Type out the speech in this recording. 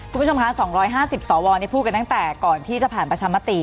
คุณผู้ชมคะ๒๕๐สวพูดกันตั้งแต่ก่อนที่จะผ่านประชามติ